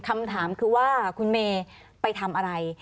คำถามคือว่าคุณเมย์ไปทำอะไร